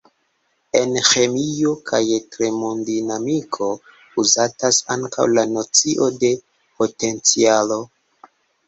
En ĥemio kaj termodinamiko uzatas ankaŭ la nocio de potencialo.